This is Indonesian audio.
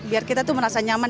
biar kita tuh merasa nyaman